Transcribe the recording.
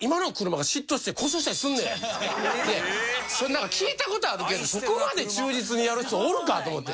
なんか聞いた事はあるけどそこまで忠実にやる人おるか？と思って。